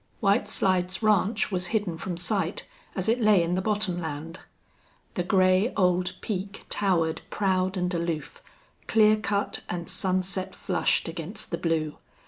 White Slides Ranch was hidden from sight, as it lay in the bottomland. The gray old peak towered proud and aloof, clear cut and sunset flushed against the blue.